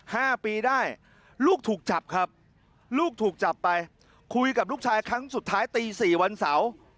ห้าปีได้ลูกถูกจับครับลูกถูกจับไปคุยกับลูกชายครั้งสุดท้ายตีสี่วันเสาร์